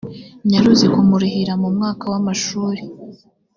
nyaruzi kumurihira mu mwaka w amashuri